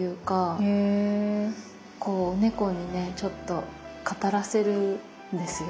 猫にねちょっと語らせるんですよ。